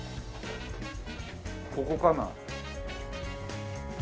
ここかな？